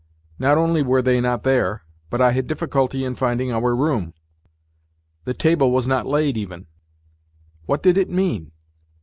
Not only were they not there, but I had difficulty in finding our room. The table was not laid even. What did it mean